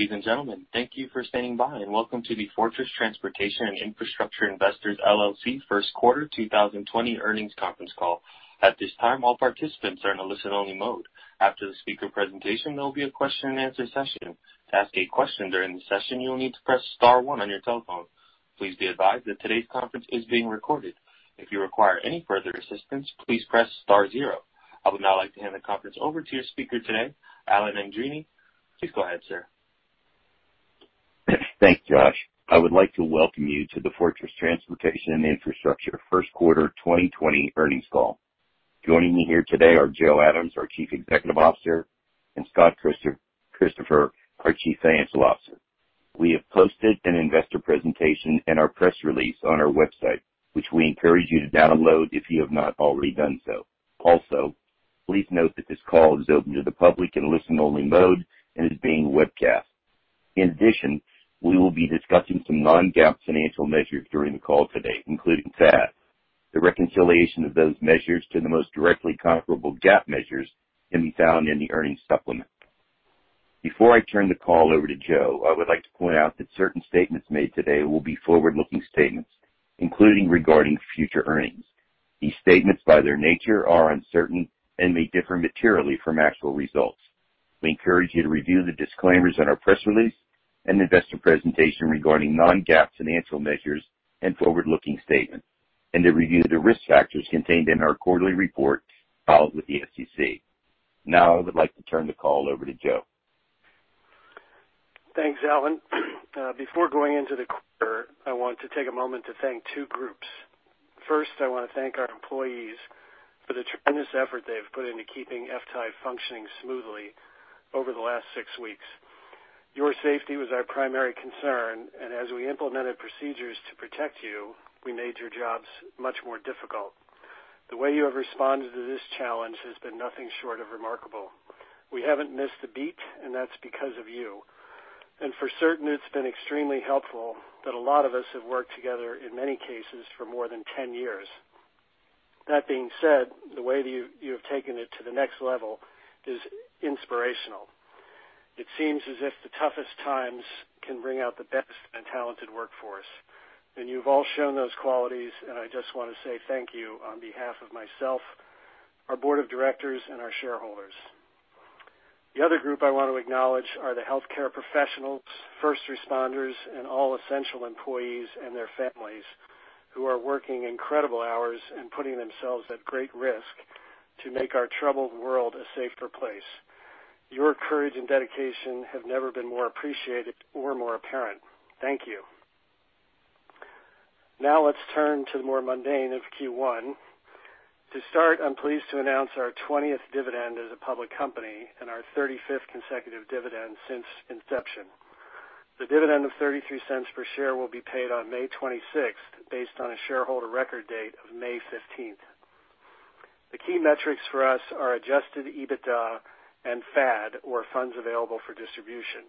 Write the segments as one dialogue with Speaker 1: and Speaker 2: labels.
Speaker 1: Ladies and gentlemen, thank you for standing by, and welcome to the Fortress Transportation and Infrastructure Investors LLC first quarter 2020 earnings conference call. At this time, all participants are in a listen-only mode. After the speaker presentation, there will be a question-and-answer session. To ask a question during the session, you'll need to press star one on your telephone. Please be advised that today's conference is being recorded. If you require any further assistance, please press star zero. I would now like to hand the conference over to your speaker today, Alan Andreini. Please go ahead, sir.
Speaker 2: Thanks, Josh. I would like to welcome you to the Fortress Transportation and Infrastructure first quarter 2020 earnings call. Joining me here today are Joe Adams, our Chief Executive Officer, and Scott Christopher, our Chief Financial Officer. We have posted an investor presentation and our press release on our website, which we encourage you to download if you have not already done so. Also, please note that this call is open to the public in a listen-only mode and is being webcast. In addition, we will be discussing some non-GAAP financial measures during the call today, including FAD. The reconciliation of those measures to the most directly comparable GAAP measures can be found in the earnings supplement. Before I turn the call over to Joe, I would like to point out that certain statements made today will be forward-looking statements, including regarding future earnings. These statements, by their nature, are uncertain and may differ materially from actual results. We encourage you to review the disclaimers on our press release and investor presentation regarding non-GAAP financial measures and forward-looking statements, and to review the risk factors contained in our quarterly report filed with the SEC. Now, I would like to turn the call over to Joe.
Speaker 3: Thanks, Alan. Before going into the quarter, I want to take a moment to thank two groups. First, I want to thank our employees for the tremendous effort they've put into keeping FTAI functioning smoothly over the last six weeks. Your safety was our primary concern, and as we implemented procedures to protect you, we made your jobs much more difficult. The way you have responded to this challenge has been nothing short of remarkable. We haven't missed a beat, and that's because of you. And for certain, it's been extremely helpful that a lot of us have worked together in many cases for more than 10 years. That being said, the way you have taken it to the next level is inspirational. It seems as if the toughest times can bring out the best in a talented workforce. And you've all shown those qualities, and I just want to say thank you on behalf of myself, our board of directors, and our shareholders. The other group I want to acknowledge are the healthcare professionals, first responders, and all essential employees and their families who are working incredible hours and putting themselves at great risk to make our troubled world a safer place. Your courage and dedication have never been more appreciated or more apparent. Thank you. Now, let's turn to the more mundane of Q1. To start, I'm pleased to announce our 20th dividend as a public company and our 35th consecutive dividend since inception. The dividend of $0.33 per share will be paid on May 26th based on a shareholder record date of May 15th. The key metrics for us are adjusted EBITDA and FAD, or funds available for distribution.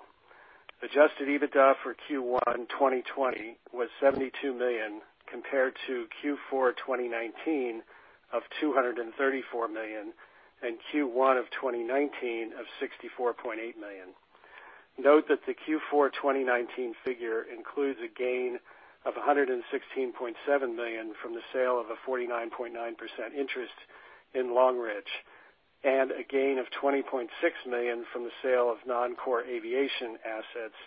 Speaker 3: Adjusted EBITDA for Q1 2020 was $72 million compared to Q4 2019 of $234 million and Q1 of 2019 of $64.8 million. Note that the Q4 2019 figure includes a gain of $116.7 million from the sale of a 49.9% interest in Long Ridge and a gain of $20.6 million from the sale of non-core aviation assets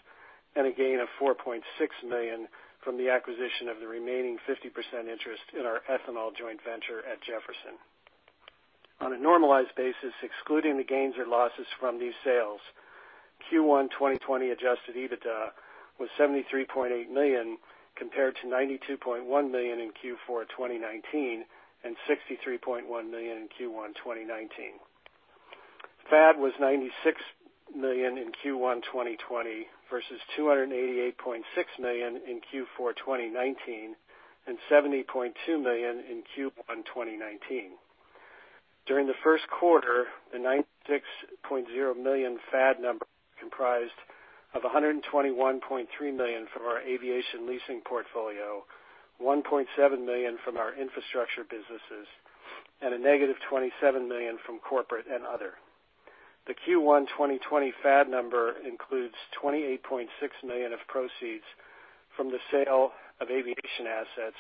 Speaker 3: and a gain of $4.6 million from the acquisition of the remaining 50% interest in our ethanol joint venture at Jefferson. On a normalized basis, excluding the gains or losses from these sales, Q1 2020 adjusted EBITDA was $73.8 million compared to $92.1 million in Q4 2019 and $63.1 million in Q1 2019. FAD was $96 million in Q1 2020 versus $288.6 million in Q4 2019 and $70.2 million in Q1 2019. During the first quarter, the $96.0 million FAD number comprised of $121.3 million from our aviation leasing portfolio, $1.7 million from our infrastructure businesses, and a -$27 million from corporate and other. The Q1 2020 FAD number includes $28.6 million of proceeds from the sale of aviation assets,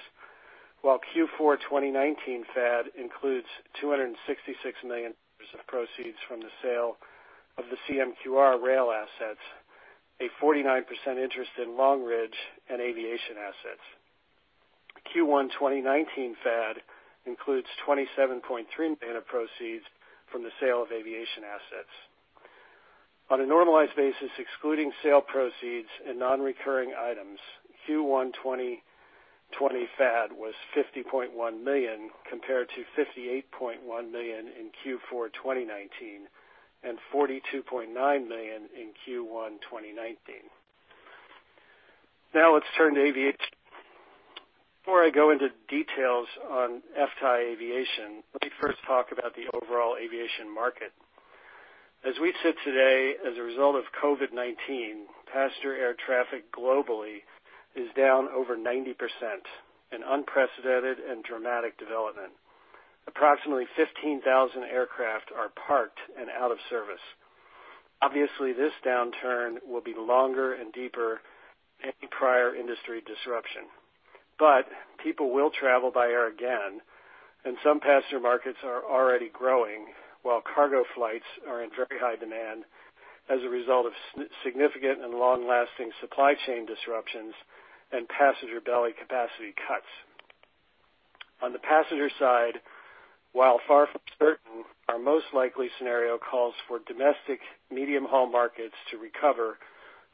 Speaker 3: while Q4 2019 FAD includes $266 million of proceeds from the sale of the CMQR rail assets, a 49% interest in Long Ridge and aviation assets. Q1 2019 FAD includes $27.3 million of proceeds from the sale of aviation assets. On a normalized basis, excluding sale proceeds and non-recurring items, Q1 2020 FAD was $50.1 million compared to $58.1 million in Q4 2019 and $42.9 million in Q1 2019. Now, let's turn to aviation. Before I go into details on FTAI Aviation, let me first talk about the overall aviation market. As we sit today, as a result of COVID-19, passenger air traffic globally is down over 90%, an unprecedented and dramatic development. Approximately 15,000 aircraft are parked and out of service. Obviously, this downturn will be longer and deeper than any prior industry disruption. But people will travel by air again, and some passenger markets are already growing while cargo flights are in very high demand as a result of significant and long-lasting supply chain disruptions and passenger belly capacity cuts. On the passenger side, while far from certain, our most likely scenario calls for domestic medium-haul markets to recover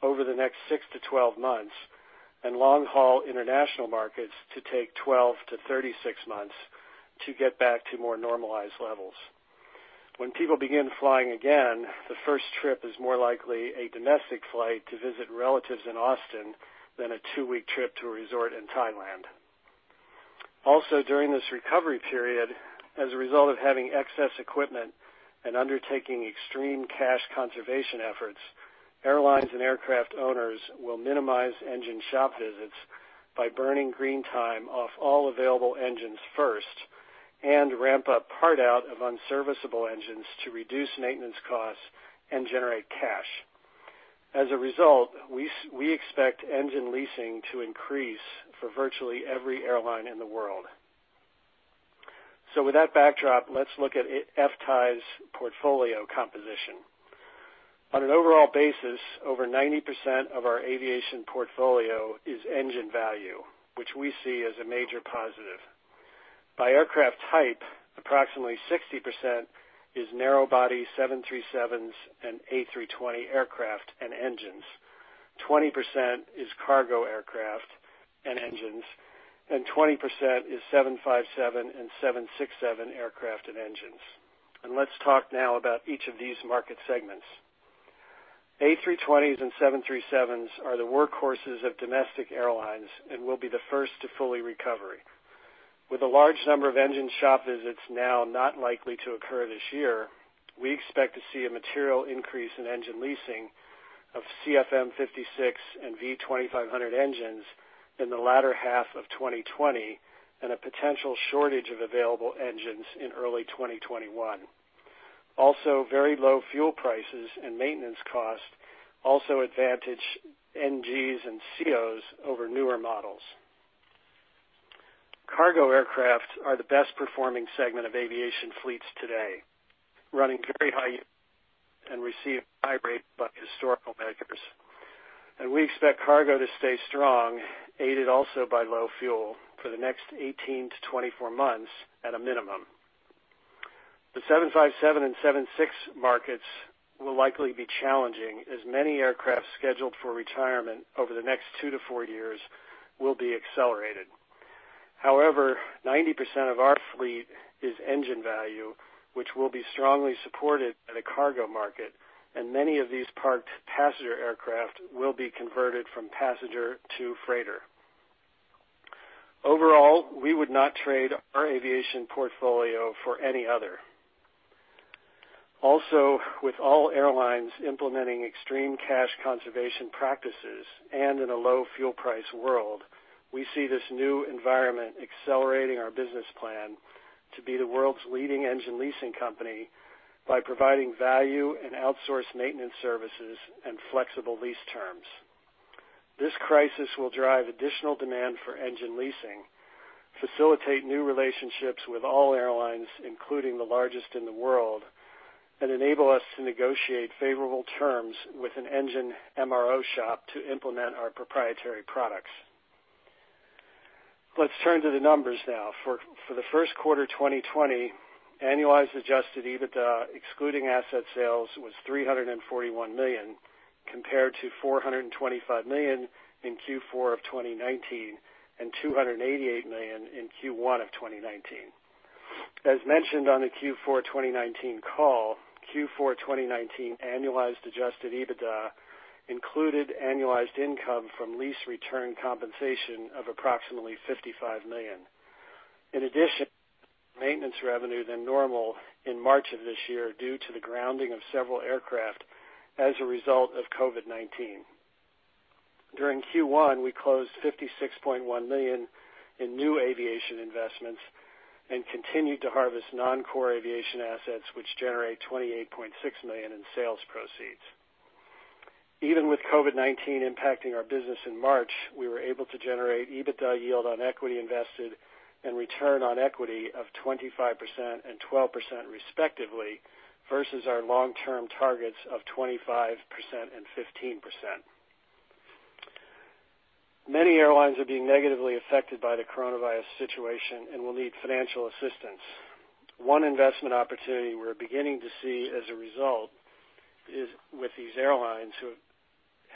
Speaker 3: over the next 6 months-12 months and long-haul international markets to take 12 months-36 months to get back to more normalized levels. When people begin flying again, the first trip is more likely a domestic flight to visit relatives in Austin than a two-week trip to a resort in Thailand. Also, during this recovery period, as a result of having excess equipment and undertaking extreme cash conservation efforts, airlines and aircraft owners will minimize engine shop visits by burning green time off all available engines first and ramp up part out of unserviceable engines to reduce maintenance costs and generate cash. As a result, we expect engine leasing to increase for virtually every airline in the world. So, with that backdrop, let's look at FTAI's portfolio composition. On an overall basis, over 90% of our aviation portfolio is engine value, which we see as a major positive. By aircraft type, approximately 60% is narrow-body 737s and A320 aircraft and engines, 20% is cargo aircraft and engines, and 20% is 757 and 767 aircraft and engines. Let's talk now about each of these market segments. A320s and 737s are the workhorses of domestic airlines and will be the first to fully recover. With a large number of engine shop visits now not likely to occur this year, we expect to see a material increase in engine leasing of CFM56 and V2500 engines in the latter half of 2020 and a potential shortage of available engines in early 2021. Also, very low fuel prices and maintenance costs also advantage NGs and COs over newer models. Cargo aircraft are the best-performing segment of aviation fleets today, running very high yields and receiving high rates by historical records. And we expect cargo to stay strong, aided also by low fuel for the next 18-24 months at a minimum. The 757 and 767 markets will likely be challenging as many aircraft scheduled for retirement over the next two to four years will be accelerated. However, 90% of our fleet is engine value, which will be strongly supported by the cargo market, and many of these parked passenger aircraft will be converted from passenger to freighter. Overall, we would not trade our aviation portfolio for any other. Also, with all airlines implementing extreme cash conservation practices and in a low fuel price world, we see this new environment accelerating our business plan to be the world's leading engine leasing company by providing value and outsourced maintenance services and flexible lease terms. This crisis will drive additional demand for engine leasing, facilitate new relationships with all airlines, including the largest in the world, and enable us to negotiate favorable terms with an engine MRO shop to implement our proprietary products. Let's turn to the numbers now. For the first quarter 2020, annualized adjusted EBITDA excluding asset sales was $341 million compared to $425 million in Q4 of 2019 and $288 million in Q1 of 2019. As mentioned on the Q4 2019 call, Q4 2019 annualized adjusted EBITDA included annualized income from lease return compensation of approximately $55 million. In addition, maintenance revenue was higher than normal in March of this year due to the grounding of several aircraft as a result of COVID-19. During Q1, we closed $56.1 million in new aviation investments and continued to harvest non-core aviation assets, which generate $28.6 million in sales proceeds. Even with COVID-19 impacting our business in March, we were able to generate EBITDA yield on equity invested and return on equity of 25% and 12% respectively versus our long-term targets of 25% and 15%. Many airlines are being negatively affected by the coronavirus situation and will need financial assistance. One investment opportunity we're beginning to see as a result is with these airlines who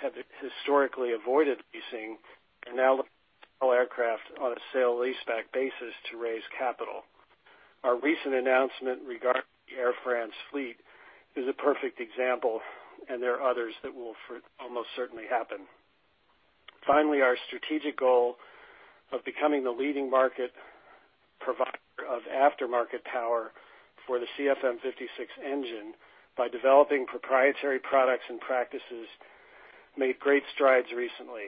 Speaker 3: have historically avoided leasing and now looking to sell aircraft on a sale-leaseback basis to raise capital. Our recent announcement regarding the Air France fleet is a perfect example, and there are others that will almost certainly happen. Finally, our strategic goal of becoming the leading market provider of aftermarket power for the CFM56 engine by developing proprietary products and practices made great strides recently.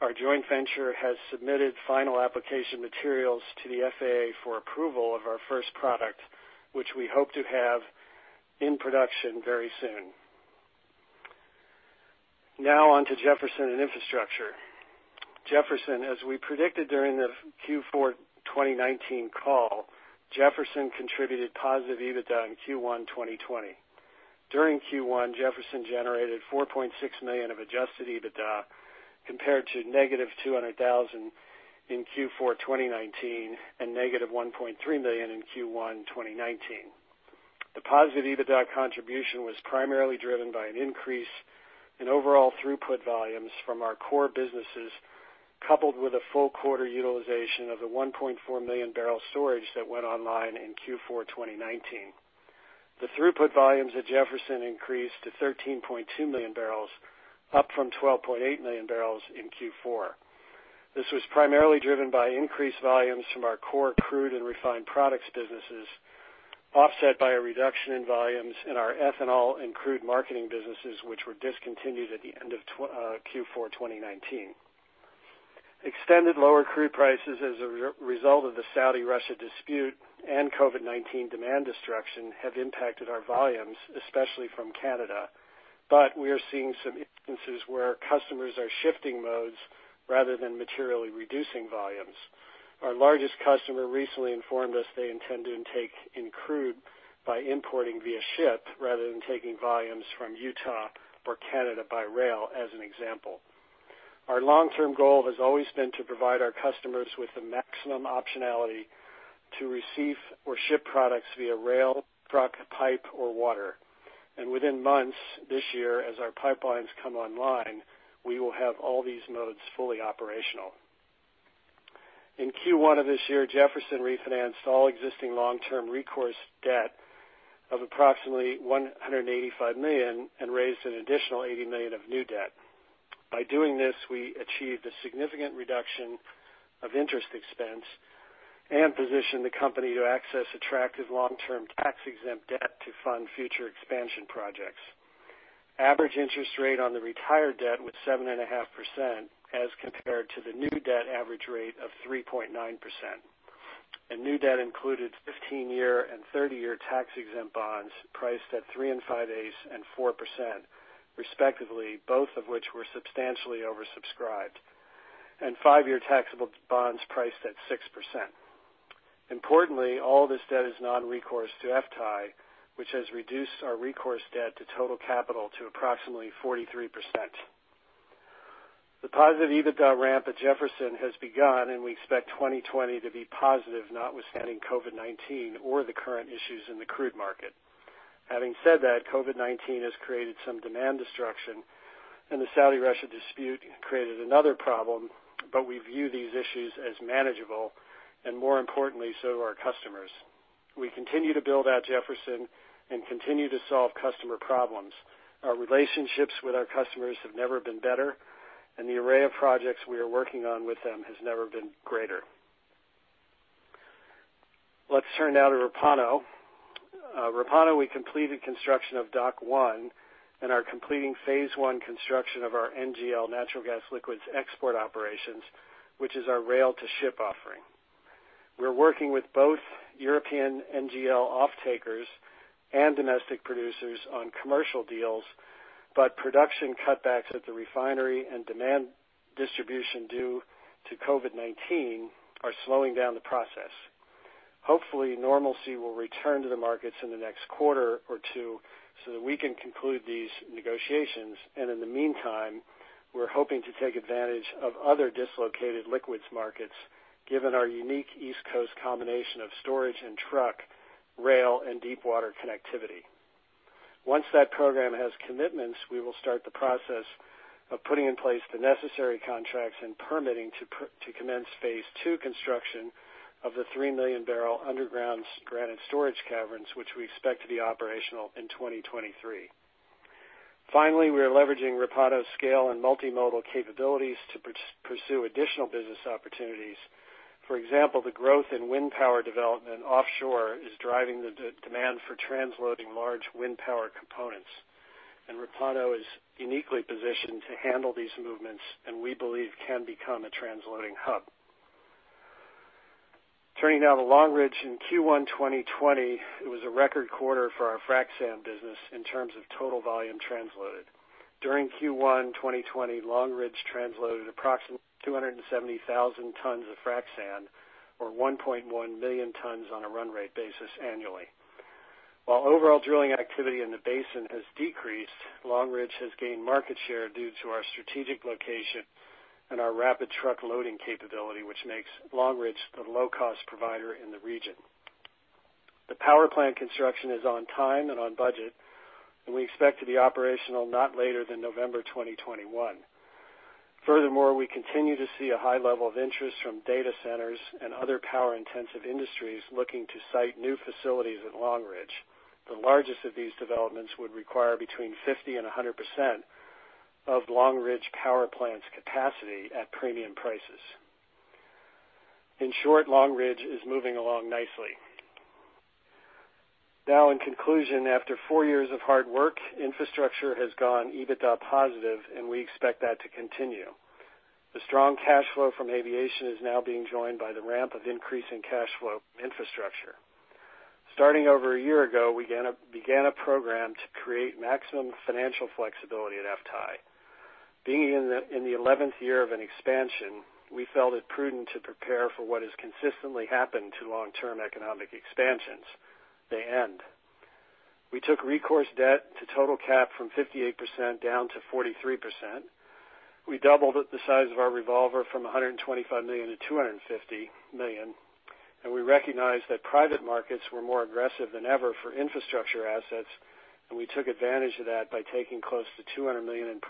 Speaker 3: Our joint venture has submitted final application materials to the FAA for approval of our first product, which we hope to have in production very soon. Now, on to Jefferson and infrastructure. Jefferson, as we predicted during the Q4 2019 call, Jefferson contributed positive EBITDA in Q1 2020. During Q1, Jefferson generated $4.6 million of adjusted EBITDA compared to -$200,000 in Q4 2019 and -$1.3 million in Q1 2019. The positive EBITDA contribution was primarily driven by an increase in overall throughput volumes from our core businesses coupled with a full quarter utilization of the 1.4-million-barrel storage that went online in Q4 2019. The throughput volumes at Jefferson increased to 13.2 million barrels, up from 12.8 million barrels in Q4. This was primarily driven by increased volumes from our core crude and refined products businesses, offset by a reduction in volumes in our ethanol and crude marketing businesses, which were discontinued at the end of Q4 2019. Extended lower crude prices as a result of the Saudi-Russia dispute and COVID-19 demand destruction have impacted our volumes, especially from Canada, but we are seeing some instances where customers are shifting modes rather than materially reducing volumes. Our largest customer recently informed us they intend to intake in crude by importing via ship rather than taking volumes from Utah or Canada by rail, as an example. Our long-term goal has always been to provide our customers with the maximum optionality to receive or ship products via rail, truck, pipe, or water, and within months this year, as our pipelines come online, we will have all these modes fully operational. In Q1 of this year, Jefferson refinanced all existing long-term recourse debt of approximately $185 million and raised an additional $80 million of new debt. By doing this, we achieved a significant reduction of interest expense and positioned the company to access attractive long-term tax-exempt debt to fund future expansion projects. Average interest rate on the retired debt was 7.5% as compared to the new debt average rate of 3.9%, and new debt included 15-year and 30-year tax-exempt bonds priced at 3% and 5.4%, respectively, both of which were substantially oversubscribed, and 5-year taxable bonds priced at 6%. Importantly, all this debt is non-recourse to FTAI, which has reduced our recourse debt to total capital to approximately 43%. The positive EBITDA ramp at Jefferson has begun, and we expect 2020 to be positive, notwithstanding COVID-19 or the current issues in the crude market. Having said that, COVID-19 has created some demand destruction, and the Saudi Arabia-Russia dispute created another problem, but we view these issues as manageable and, more importantly, so are our customers. We continue to build out Jefferson and continue to solve customer problems. Our relationships with our customers have never been better, and the array of projects we are working on with them has never been greater. Let's turn now to Repauno. Repauno, we completed construction of dock one and are completing phase one construction of our NGL natural gas liquids export operations, which is our rail-to-ship offering. We're working with both European NGL off-takers and domestic producers on commercial deals, but production cutbacks at the refinery and demand distribution due to COVID-19 are slowing down the process. Hopefully, normalcy will return to the markets in the next quarter or two so that we can conclude these negotiations, and in the meantime, we're hoping to take advantage of other dislocated liquids markets given our unique East Coast combination of storage and truck, rail, and deep water connectivity. Once that program has commitments, we will start the process of putting in place the necessary contracts and permitting to commence phase two construction of the 3-million-barrel underground granite storage caverns, which we expect to be operational in 2023. Finally, we are leveraging Repauno's scale and multimodal capabilities to pursue additional business opportunities. For example, the growth in wind power development offshore is driving the demand for transloading large wind power components, and Repauno is uniquely positioned to handle these movements and we believe can become a transloading hub. Turning now to Long Ridge in Q1 2020, it was a record quarter for our frac sand business in terms of total volume transloaded. During Q1 2020, Long Ridge transloaded approximately 270,000 tons of frac sand or 1.1 million tons on a run rate basis annually. While overall drilling activity in the basin has decreased, Long Ridge has gained market share due to our strategic location and our rapid truck loading capability, which makes Long Ridge the low-cost provider in the region. The power plant construction is on time and on budget, and we expect to be operational not later than November 2021. Furthermore, we continue to see a high level of interest from data centers and other power-intensive industries looking to site new facilities at Long Ridge. The largest of these developments would require between 50% and 100% of Long Ridge power plant's capacity at premium prices. In short, Long Ridge is moving along nicely. Now, in conclusion, after four years of hard work, infrastructure has gone EBITDA positive, and we expect that to continue. The strong cash flow from aviation is now being joined by the ramp of increasing cash flow from infrastructure. Starting over a year ago, we began a program to create maximum financial flexibility at FTAI. Being in the 11th year of an expansion, we felt it prudent to prepare for what has consistently happened to long-term economic expansions. The end. We took recourse debt to total cap from 58% down to 43%. We doubled the size of our revolver from $125 million to $250 million, and we recognized that private markets were more aggressive than ever for infrastructure assets, and we took advantage of that by taking close to $200 million in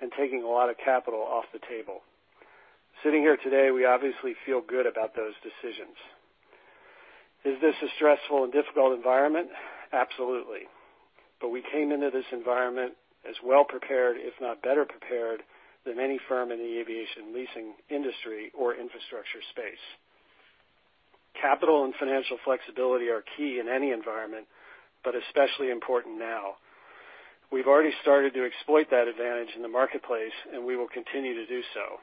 Speaker 3: profits and taking a lot of capital off the table. Sitting here today, we obviously feel good about those decisions. Is this a stressful and difficult environment? Absolutely. But we came into this environment as well prepared, if not better prepared, than any firm in the aviation leasing industry or infrastructure space. Capital and financial flexibility are key in any environment, but especially important now. We've already started to exploit that advantage in the marketplace, and we will continue to do so.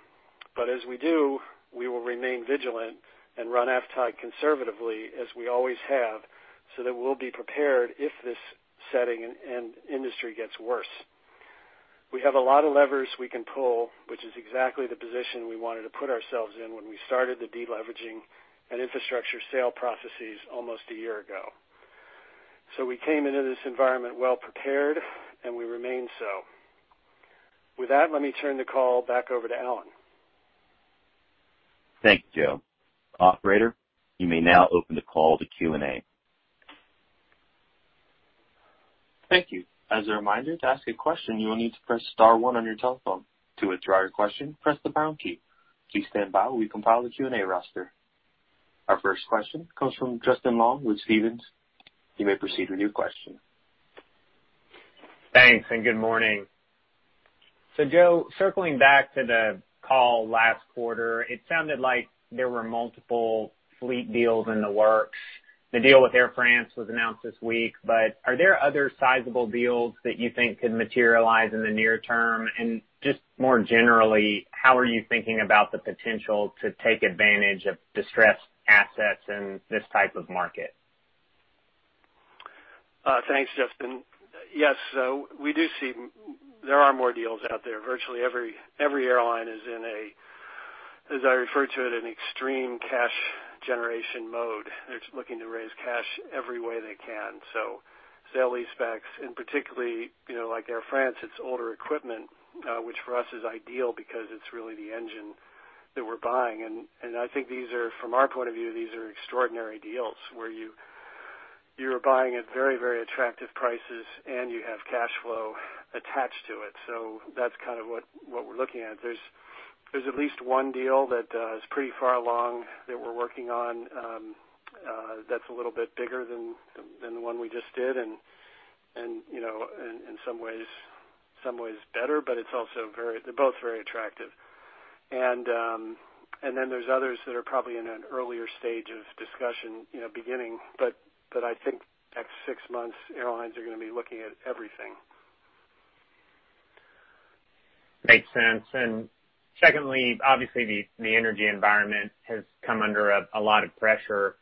Speaker 3: But as we do, we will remain vigilant and run FTAI conservatively, as we always have, so that we'll be prepared if this setting and industry gets worse. We have a lot of levers we can pull, which is exactly the position we wanted to put ourselves in when we started the deleveraging and infrastructure sale processes almost a year ago. So we came into this environment well prepared, and we remain so. With that, let me turn the call back over to Alan.
Speaker 2: Thank you, Joe. Operator, you may now open the call to Q&A.
Speaker 1: Thank you. As a reminder, to ask a question, you will need to press star one on your telephone. To withdraw your question, press the pound key. Please stand by while we compile the Q&A roster. Our first question comes from Justin Long with Stephens. You may proceed with your question.
Speaker 4: Thanks, and good morning. So, Joe, circling back to the call last quarter, it sounded like there were multiple fleet deals in the works. The deal with Air France was announced this week, but are there other sizable deals that you think could materialize in the near term? And just more generally, how are you thinking about the potential to take advantage of distressed assets in this type of market?
Speaker 3: Thanks, Justin. Yes, so we do see there are more deals out there. Virtually every airline is in a, as I refer to it, an extreme cash generation mode. They're looking to raise cash every way they can. So sale lease-backs, and particularly like Air France, it's older equipment, which for us is ideal because it's really the engine that we're buying. And I think these are, from our point of view, these are extraordinary deals where you are buying at very, very attractive prices and you have cash flow attached to it. So that's kind of what we're looking at. There's at least one deal that is pretty far along that we're working on that's a little bit bigger than the one we just did and in some ways better, but it's also very, they're both very attractive. And then there are others that are probably in an earlier stage of discussion beginning, but I think next six months airlines are going to be looking at everything.
Speaker 4: Makes sense. And secondly, obviously the energy environment has come under a lot of pressure.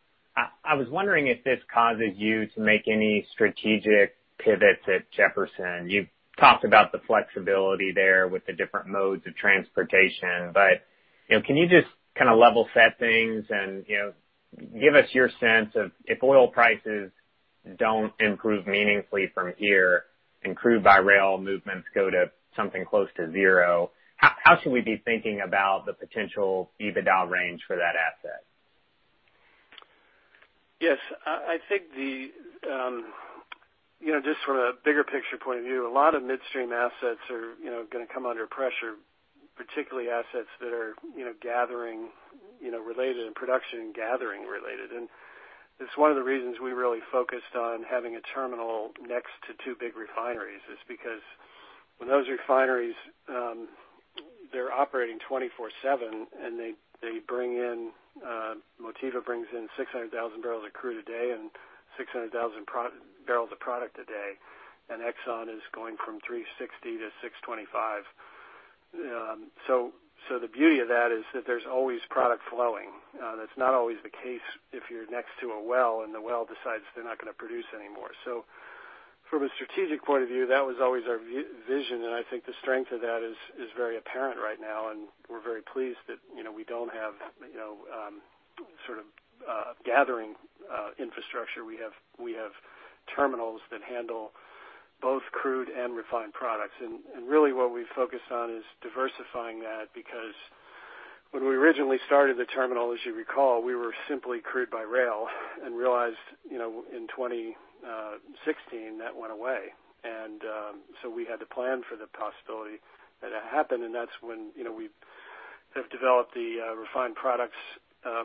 Speaker 4: I was wondering if this causes you to make any strategic pivots at Jefferson. You've talked about the flexibility there with the different modes of transportation, but can you just kind of level set things and give us your sense of if oil prices don't improve meaningfully from here and crude by rail movements go to something close to zero, how should we be thinking about the potential EBITDA range for that asset?
Speaker 3: Yes, I think just from a bigger picture point of view, a lot of midstream assets are going to come under pressure, particularly assets that are gathering related and production gathering related. It's one of the reasons we really focused on having a terminal next to two big refineries. It's because when those refineries, they're operating 24/7 and they bring in. Motiva brings in 600,000 barrels of crude a day and 600,000 barrels of product a day, and Exxon is going from 360-625. The beauty of that is that there's always product flowing. That's not always the case if you're next to a well and the well decides they're not going to produce anymore. From a strategic point of view, that was always our vision, and I think the strength of that is very apparent right now, and we're very pleased that we don't have sort of gathering infrastructure. We have terminals that handle both crude and refined products. And really, what we've focused on is diversifying that because when we originally started the terminal, as you recall, we were simply crude by rail and realized in 2016 that went away. And so we had to plan for the possibility that it happened, and that's when we have developed the refined products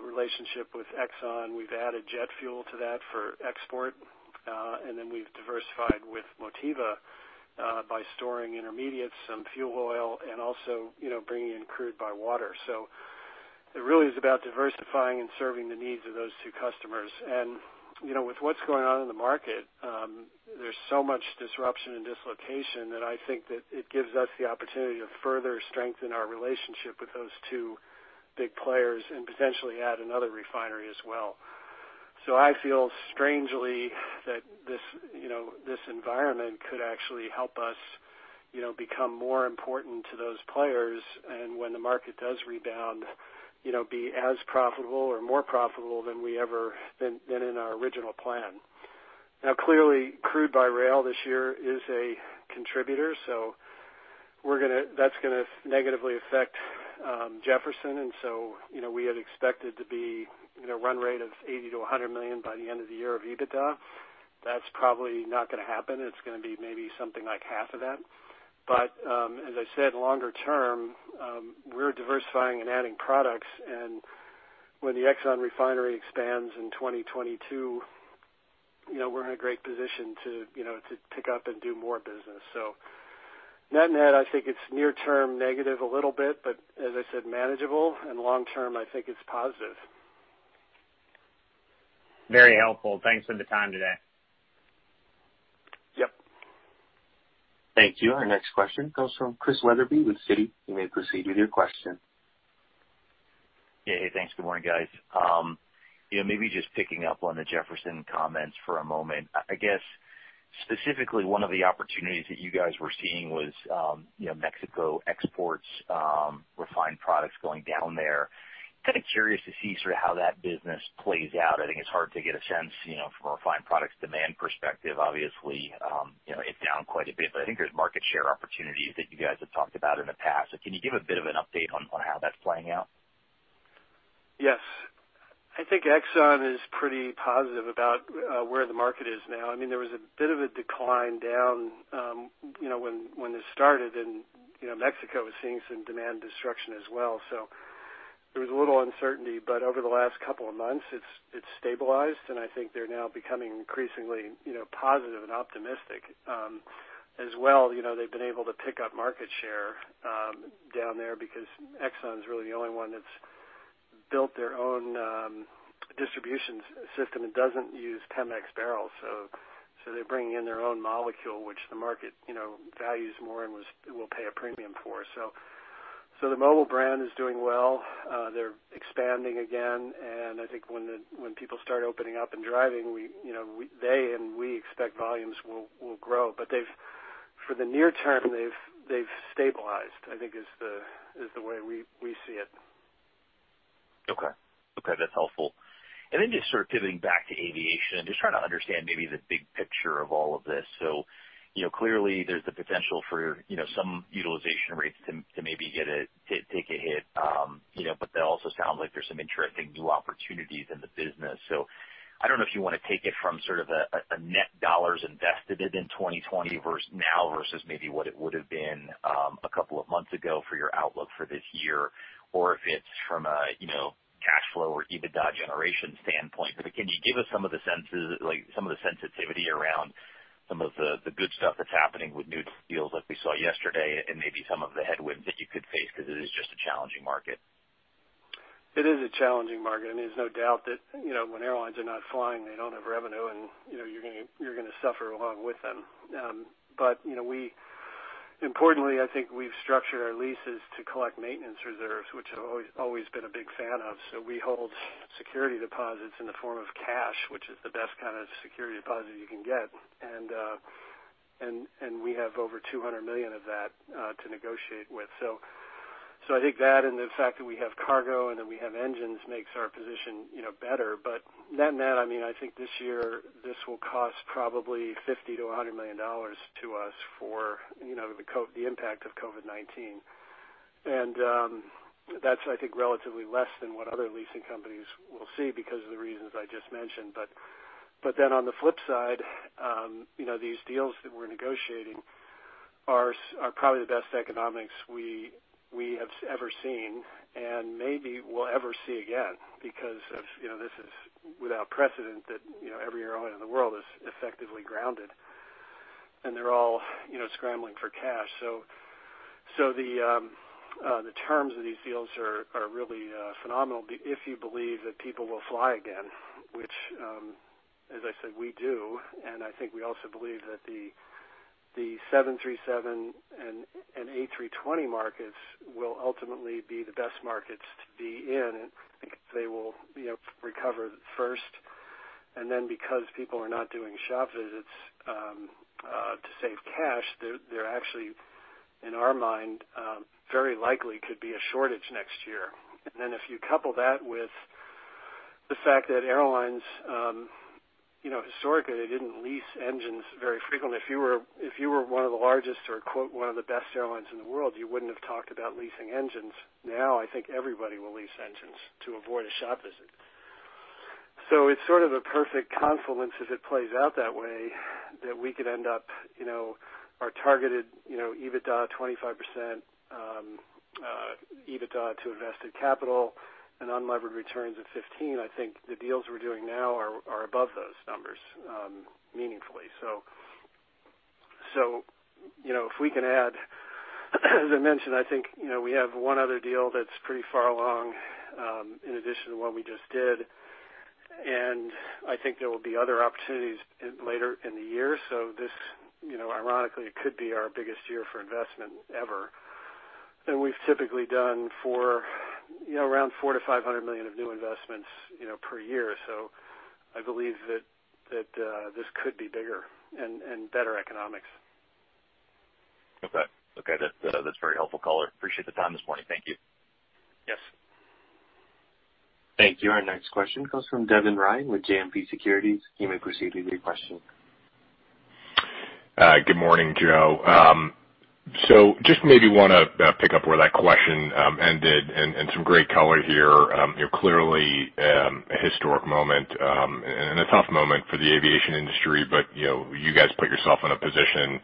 Speaker 3: relationship with Exxon. We've added jet fuel to that for export, and then we've diversified with Motiva by storing intermediates and fuel oil and also bringing in crude by water. So it really is about diversifying and serving the needs of those two customers. And with what's going on in the market, there's so much disruption and dislocation that I think that it gives us the opportunity to further strengthen our relationship with those two big players and potentially add another refinery as well. I feel strangely that this environment could actually help us become more important to those players and when the market does rebound, be as profitable or more profitable than we ever in our original plan. Now, clearly, crude by rail this year is a contributor, so that's going to negatively affect Jefferson, and so we had expected to be a run rate of $80 million-$100 million by the end of the year of EBITDA. That's probably not going to happen. It's going to be maybe something like half of that. But as I said, longer term, we're diversifying and adding products, and when the Exxon refinery expands in 2022, we're in a great position to pick up and do more business. So net-net, I think it's near-term negative a little bit, but as I said, manageable, and long-term, I think it's positive.
Speaker 4: Very helpful. Thanks for the time today.
Speaker 3: Yeah.
Speaker 1: Thank you. Our next question comes from Chris Wetherbee with Citi. You may proceed with your question.
Speaker 5: Hey, thanks. Good morning, guys. Maybe just picking up on the Jefferson comments for a moment. I guess specifically one of the opportunities that you guys were seeing was Mexico exports refined products going down there. Kind of curious to see sort of how that business plays out. I think it's hard to get a sense from a refined products demand perspective. Obviously, it's down quite a bit, but I think there's market share opportunities that you guys have talked about in the past. So can you give a bit of an update on how that's playing out?
Speaker 3: Yes. I think Exxon is pretty positive about where the market is now. I mean, there was a bit of a decline down when this started, and Mexico was seeing some demand destruction as well. So there was a little uncertainty, but over the last couple of months, it's stabilized, and I think they're now becoming increasingly positive and optimistic as well. They've been able to pick up market share down there because Exxon's really the only one that's built their own distribution system and doesn't use PEMEX barrels. So they're bringing in their own molecule, which the market values more and will pay a premium for. So the Mobil brand is doing well. They're expanding again, and I think when people start opening up and driving, they and we expect volumes will grow. But for the near term, they've stabilized, I think, is the way we see it.
Speaker 5: Okay. That's helpful. And then just sort of pivoting back to aviation, just trying to understand maybe the big picture of all of this. So clearly, there's the potential for some utilization rates to maybe take a hit, but there also sounds like there's some interesting new opportunities in the business. So I don't know if you want to take it from sort of a net dollars invested in 2020 versus now versus maybe what it would have been a couple of months ago for your outlook for this year, or if it's from a cash flow or EBITDA generation standpoint. But can you give us some of the sensitivity around some of the good stuff that's happening with new deals like we saw yesterday and maybe some of the headwinds that you could face because it is just a challenging market?
Speaker 3: It is a challenging market, and there's no doubt that when airlines are not flying, they don't have revenue, and you're going to suffer along with them. But importantly, I think we've structured our leases to collect maintenance reserves, which I've always been a big fan of. So we hold security deposits in the form of cash, which is the best kind of security deposit you can get, and we have over $200 million of that to negotiate with. So I think that and the fact that we have cargo and that we have engines makes our position better. But net-net, I mean, I think this year this will cost probably $50 million-$100 million to us for the impact of COVID-19. And that's, I think, relatively less than what other leasing companies will see because of the reasons I just mentioned. But then on the flip side, these deals that we're negotiating are probably the best economics we have ever seen and maybe we'll ever see again because this is without precedent that every airline in the world is effectively grounded, and they're all scrambling for cash. So the terms of these deals are really phenomenal if you believe that people will fly again, which, as I said, we do. And I think we also believe that the 737 and A320 markets will ultimately be the best markets to be in, and I think they will recover first. And then because people are not doing shop visits to save cash, there actually, in our mind, very likely could be a shortage next year. And then if you couple that with the fact that airlines historically, they didn't lease engines very frequently. If you were one of the largest or one of the best airlines in the world, you wouldn't have talked about leasing engines. Now, I think everybody will lease engines to avoid a shop visit. It's sort of a perfect confluence if it plays out that way that we could end up our targeted EBITDA 25%, EBITDA to invested capital, and unleveraged returns of 15%. I think the deals we're doing now are above those numbers meaningfully. If we can add, as I mentioned, I think we have one other deal that's pretty far along in addition to what we just did, and I think there will be other opportunities later in the year. This, ironically, could be our biggest year for investment ever. We've typically done around $400 million-$500 million of new investments per year. So I believe that this could be bigger and better economics.
Speaker 5: Okay. That's very helpful, Colour. Appreciate the time this morning. Thank you.
Speaker 3: Yes.
Speaker 1: Thank you. Our next question comes from Devin Ryan with JMP Securities. You may proceed with your question.
Speaker 6: Good morning, Joe. So just maybe want to pick up where that question ended and some great color here. Clearly, a historic moment and a tough moment for the aviation industry, but you guys put yourself in a position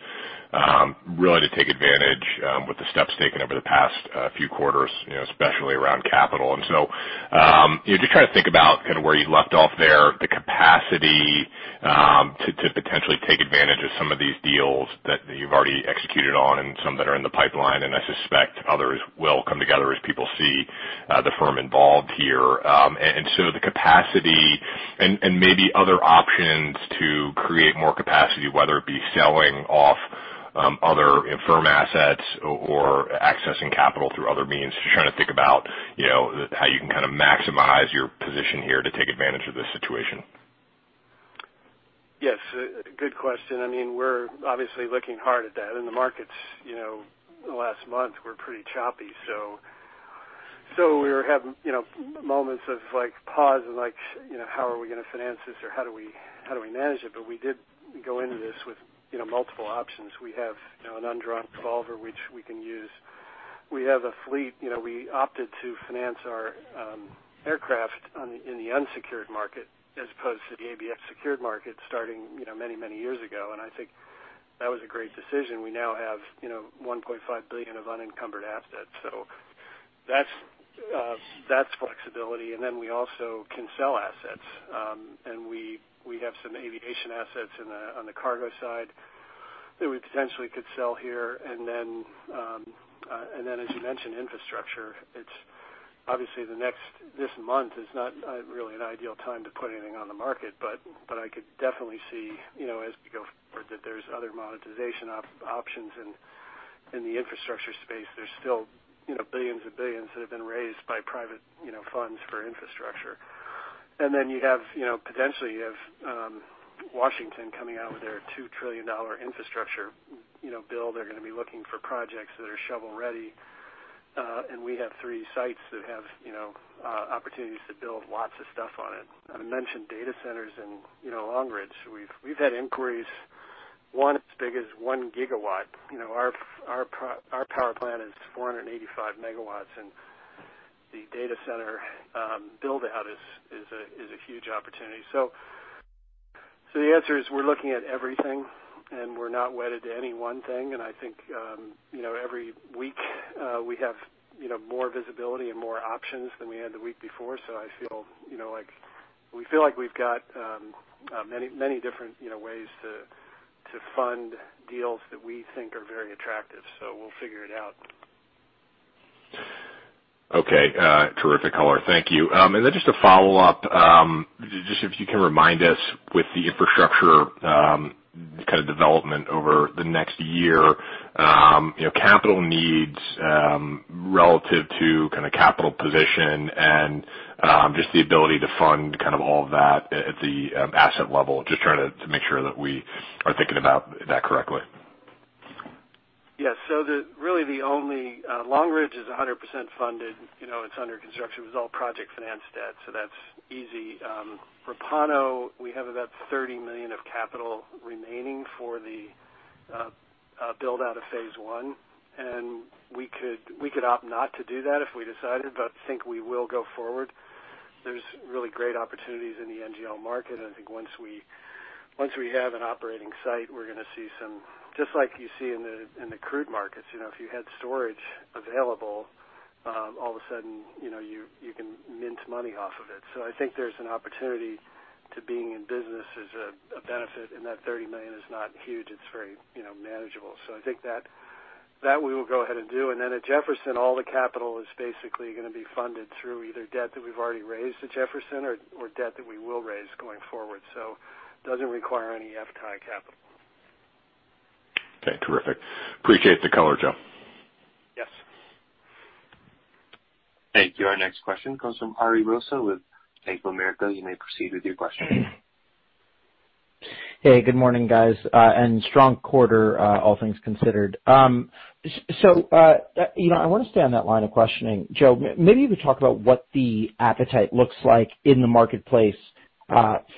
Speaker 6: really to take advantage with the steps taken over the past few quarters, especially around capital. And so just trying to think about kind of where you left off there, the capacity to potentially take advantage of some of these deals that you've already executed on and some that are in the pipeline, and I suspect others will come together as people see the firm involved here. And so the capacity and maybe other options to create more capacity, whether it be selling off other firm assets or accessing capital through other means, just trying to think about how you can kind of maximize your position here to take advantage of this situation.
Speaker 3: Yes. Good question. I mean, we're obviously looking hard at that, and the markets the last month were pretty choppy. So we were having moments of pause and like, "How are we going to finance this?" or, "How do we manage it?" But we did go into this with multiple options. We have an undrawn revolver, which we can use. We have a fleet. We opted to finance our aircraft in the unsecured market as opposed to the ABF secured market starting many, many years ago, and I think that was a great decision. We now have $1.5 billion of unencumbered assets. So that's flexibility. And then we also can sell assets, and we have some aviation assets on the cargo side that we potentially could sell here. And then, as you mentioned, infrastructure. Obviously, this month is not really an ideal time to put anything on the market, but I could definitely see as we go forward that there's other monetization options in the infrastructure space. There's still billions and billions that have been raised by private funds for infrastructure. And then you have potentially Washington coming out with their $2 trillion infrastructure bill. They're going to be looking for projects that are shovel ready, and we have three sites that have opportunities to build lots of stuff on it. I mentioned data centers in Long Ridge. We've had inquiries, one as big as one gigawatt. Our power plant is 485 megawatts, and the data center build-out is a huge opportunity. So the answer is we're looking at everything, and we're not wedded to any one thing. And I think every week we have more visibility and more options than we had the week before. So I feel like we feel like we've got many different ways to fund deals that we think are very attractive. So we'll figure it out.
Speaker 6: Okay. Terrific, colour. Thank you. And then just to follow up, just if you can remind us with the infrastructure kind of development over the next year, capital needs relative to kind of capital position and just the ability to fund kind of all of that at the asset level, just trying to make sure that we are thinking about that correctly.
Speaker 3: Yes. So really the only Long Ridge is 100% funded. It's under construction. It was all project financed debt, so that's easy. Repauno, we have about $30 million of capital remaining for the build-out of phase one, and we could opt not to do that if we decided, but I think we will go forward. There's really great opportunities in the NGL market, and I think once we have an operating site, we're going to see some just like you see in the crude markets. If you had storage available, all of a sudden you can mint money off of it. So I think there's an opportunity to being in business is a benefit, and that $30 million is not huge. It's very manageable. So I think that we will go ahead and do. And then at Jefferson, all the capital is basically going to be funded through either debt that we've already raised at Jefferson or debt that we will raise going forward. So it doesn't require any FTAI capital.
Speaker 6: Okay. Terrific. Appreciate the color, Joe.
Speaker 3: Yes.
Speaker 1: Thank you. Our next question comes from Ari Rosa with Bank of America. You may proceed with your question.
Speaker 7: Hey, good morning, guys, and strong quarter, all things considered. So I want to stay on that line of questioning. Joe, maybe you could talk about what the appetite looks like in the marketplace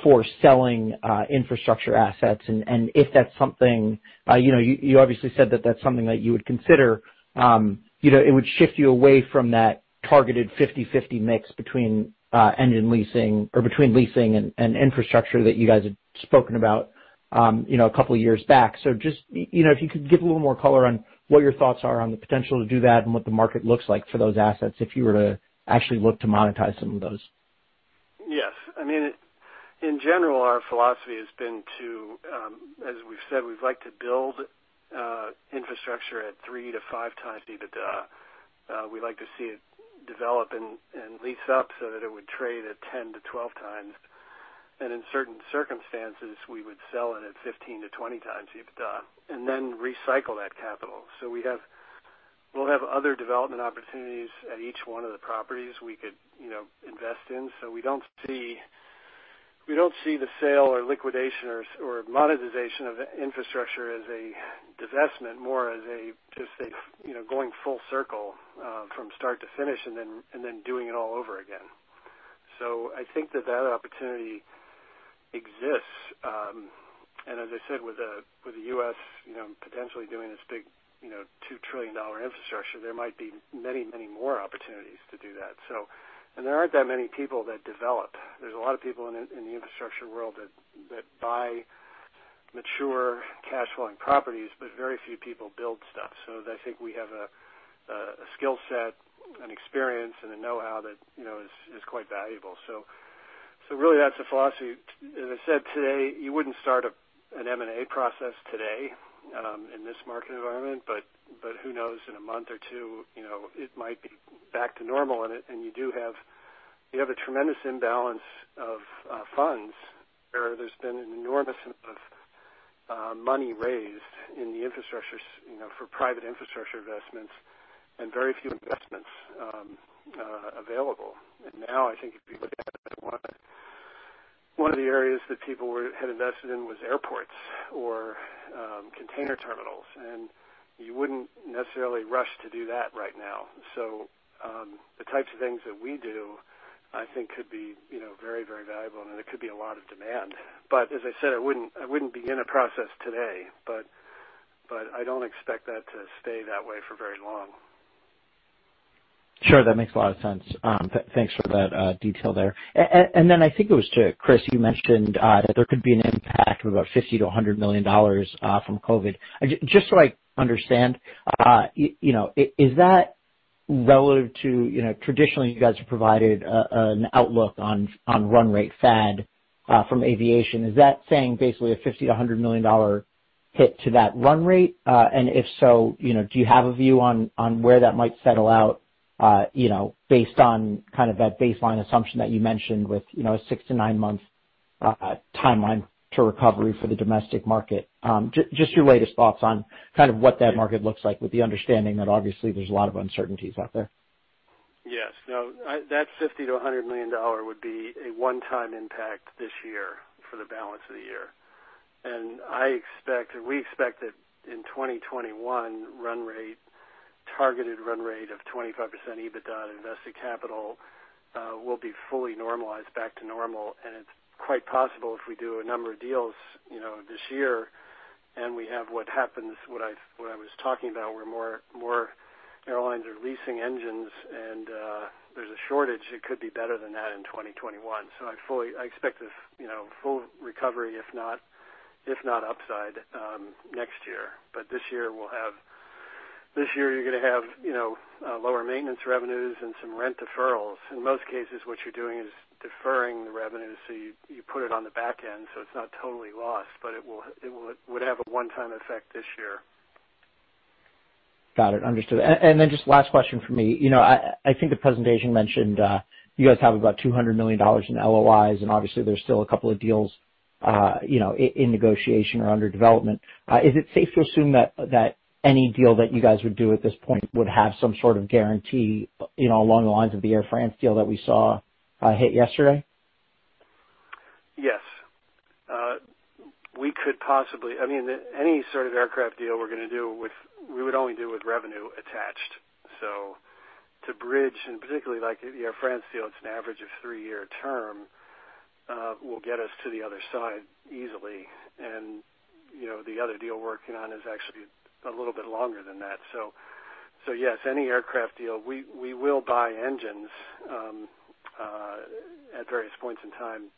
Speaker 7: for selling infrastructure assets and if that's something you obviously said that that's something that you would consider. It would shift you away from that targeted 50/50 mix between engine leasing or between leasing and infrastructure that you guys had spoken about a couple of years back. So just if you could give a little more color on what your thoughts are on the potential to do that and what the market looks like for those assets if you were to actually look to monetize some of those.
Speaker 3: Yes. I mean, in general, our philosophy has been to, as we've said, we'd like to build infrastructure at three-five times EBITDA. We'd like to see it develop and lease up so that it would trade at 10x-12x. And in certain circumstances, we would sell it at 15x-20x EBITDA and then recycle that capital. So we'll have other development opportunities at each one of the properties we could invest in. So we don't see the sale or liquidation or monetization of infrastructure as a divestment, more as just a going full circle from start to finish and then doing it all over again. So I think that that opportunity exists. And as I said, with the U.S. potentially doing this big $2 trillion infrastructure, there might be many, many more opportunities to do that. And there aren't that many people that develop. There's a lot of people in the infrastructure world that buy mature cash-flowing properties, but very few people build stuff. So I think we have a skill set and experience and a know-how that is quite valuable. So really, that's the philosophy. As I said today, you wouldn't start an M&A process today in this market environment, but who knows? In a month or two, it might be back to normal, and you do have a tremendous imbalance of funds where there's been an enormous amount of money raised in the infrastructure for private infrastructure investments and very few investments available, and now, I think if you look at it, one of the areas that people had invested in was airports or container terminals, and you wouldn't necessarily rush to do that right now. So the types of things that we do, I think, could be very, very valuable, and there could be a lot of demand. But as I said, I wouldn't begin a process today, but I don't expect that to stay that way for very long.
Speaker 7: Sure. That makes a lot of sense. Thanks for that detail there. And then I think it was to Chris. You mentioned that there could be an impact of about $50-$100 million from COVID. Just so I understand, is that relative to traditionally, you guys have provided an outlook on run rate FAD from aviation. Is that saying basically a $50 million-$100 million hit to that run rate? And if so, do you have a view on where that might settle out based on kind of that baseline assumption that you mentioned with a 6 months-9 months timeline to recovery for the domestic market? Just your latest thoughts on kind of what that market looks like with the understanding that obviously there's a lot of uncertainties out there.
Speaker 3: Yes. No, that $50 million-$100 million would be a one-time impact this year for the balance of the year. And we expect that in 2021, targeted run rate of 25% EBITDA to invested capital will be fully normalized back to normal. And it's quite possible if we do a number of deals this year and we have what happens, what I was talking about, where more airlines are leasing engines and there's a shortage, it could be better than that in 2021. So I expect a full recovery, if not upside, next year. But this year, you're going to have lower maintenance revenues and some rent deferrals. In most cases, what you're doing is deferring the revenue so you put it on the back end so it's not totally lost, but it would have a one-time effect this year.
Speaker 7: Got it. Understood. And then just last question for me. I think the presentation mentioned you guys have about $200 million in LOIs, and obviously there's still a couple of deals in negotiation or under development. Is it safe to assume that any deal that you guys would do at this point would have some sort of guarantee along the lines of the Air France deal that we saw hit yesterday?
Speaker 3: Yes. I mean, any sort of aircraft deal we're going to do, we would only do with revenue attached. So, to bridge, and particularly like the Air France deal, it's an average of three-year term will get us to the other side easily. And the other deal we're working on is actually a little bit longer than that. So yes, any aircraft deal, we will buy engines at various points in time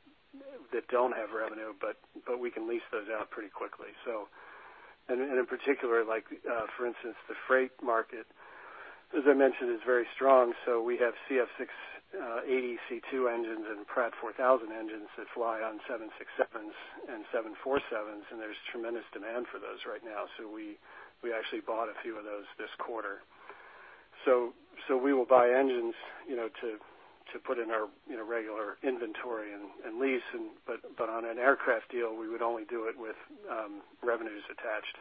Speaker 3: that don't have revenue, but we can lease those out pretty quickly. And in particular, for instance, the freight market, as I mentioned, is very strong. So we have CF6-80C2 engines and Pratt 4000 engines that fly on 767s and 747s, and there's tremendous demand for those right now. So we actually bought a few of those this quarter. So we will buy engines to put in our regular inventory and lease, but on an aircraft deal, we would only do it with revenues attached.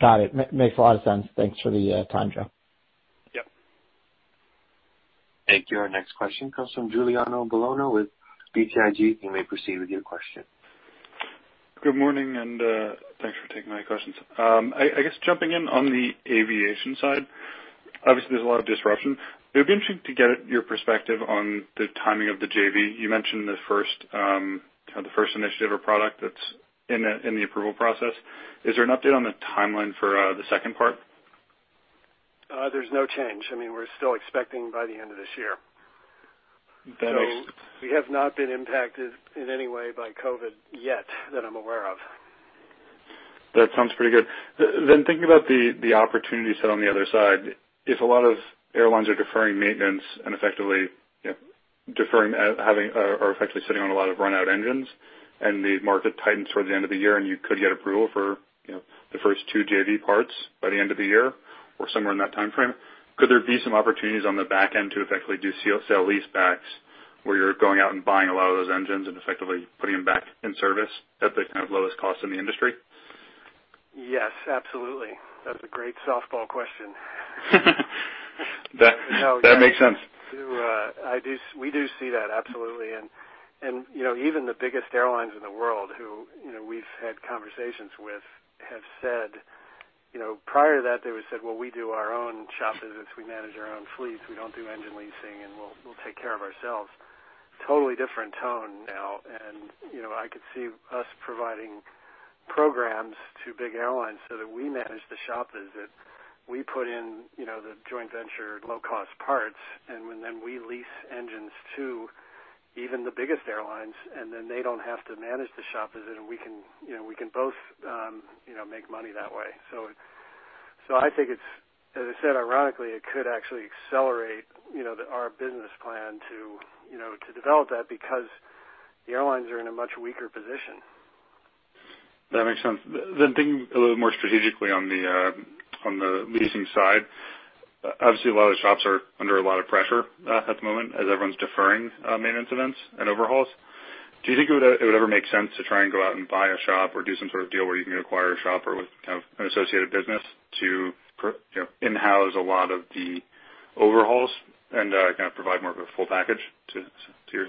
Speaker 7: Got it. Makes a lot of sense. Thanks for the time, Joe.
Speaker 3: Yep.
Speaker 1: Thank you. Our next question comes from Giuliano Bologna with BTIG. You may proceed with your question.
Speaker 8: Good morning, and thanks for taking my questions. I guess jumping in on the aviation side, obviously there's a lot of disruption. It would be interesting to get your perspective on the timing of the JV. You mentioned the first initiative or product that's in the approval process. Is there an update on the timeline for the second part?
Speaker 3: There's no change. I mean, we're still expecting by the end of this year. So we have not been impacted in any way by COVID yet that I'm aware of.
Speaker 8: That sounds pretty good. Then, thinking about the opportunities on the other side, if a lot of airlines are deferring maintenance and effectively having or effectively sitting on a lot of run-out engines and the market tightens toward the end of the year and you could get approval for the first two JV partners by the end of the year or somewhere in that timeframe, could there be some opportunities on the back end to effectively do sale-leasebacks where you're going out and buying a lot of those engines and effectively putting them back in service at the kind of lowest cost in the industry?
Speaker 3: Yes. Absolutely. That's a great softball question. That makes sense. We do see that. Absolutely. And even the biggest airlines in the world who we've had conversations with have said prior to that, they would have said, "Well, we do our own shop visits. We manage our own fleets. We don't do engine leasing, and we'll take care of ourselves." Totally different tone now. And I could see us providing programs to big airlines so that we manage the shop visit. We put in the joint venture low-cost parts, and then we lease engines to even the biggest airlines, and then they don't have to manage the shop visit, and we can both make money that way. So I think, as I said, ironically, it could actually accelerate our business plan to develop that because the airlines are in a much weaker position.
Speaker 8: That makes sense. Then thinking a little more strategically on the leasing side, obviously a lot of the shops are under a lot of pressure at the moment as everyone's deferring maintenance events and overhauls. Do you think it would ever make sense to try and go out and buy a shop or do some sort of deal where you can acquire a shop with kind of an associated business to in-house a lot of the overhauls and kind of provide more of a full package to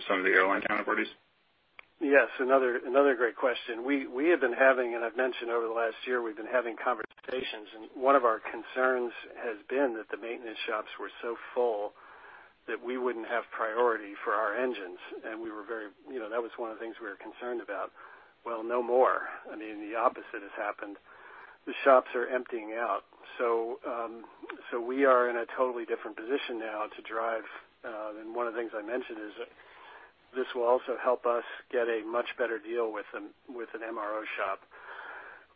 Speaker 8: some of the airline counterparties?
Speaker 3: Yes. Another great question. We have been having, and I've mentioned over the last year, we've been having conversations, and one of our concerns has been that the maintenance shops were so full that we wouldn't have priority for our engines, and we were very that was one of the things we were concerned about. Well, no more. I mean, the opposite has happened. The shops are emptying out. So we are in a totally different position now to drive. One of the things I mentioned is this will also help us get a much better deal with an MRO shop.